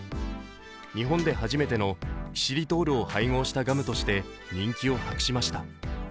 日本で初めてのキシリトールを配合したガムとして人気を博しました。